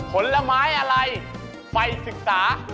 ผลไม้อะไรไฟศึกษา